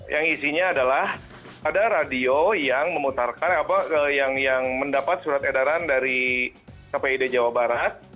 yang isinya adalah ada radio yang mendapat surat edaran dari kpid jawa barat